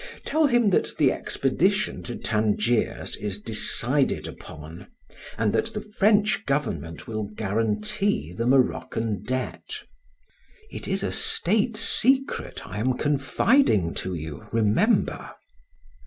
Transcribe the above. Tell him that the expedition to Tangiers, is decided upon, and that the French government will guarantee the Moroccan debt. It is a state secret I am confiding to you, remember!"